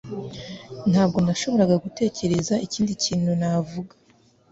Ntabwo nashoboraga gutekereza ikindi kintu navuga